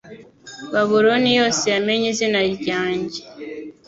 babuloni yose yamenye izina ryanjye